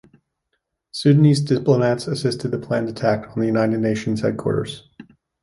Sudanese diplomats assisted the planned attack on the United Nations headquarters.